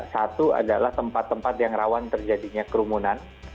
satu adalah tempat tempat yang rawan terjadinya kerumunan